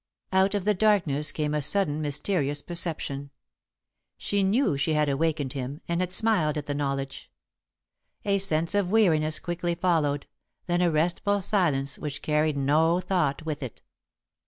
Out of the darkness came a sudden mysterious perception. She knew she had awakened him, and had smiled at the knowledge. A sense of weariness quickly followed, then a restful silence which carried no thought with it.